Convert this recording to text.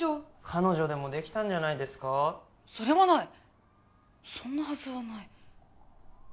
彼女でもできたんじゃないですかそれはないそんなはずはない